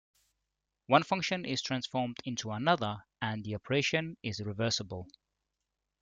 One function is transformed into another, and the operation is reversible.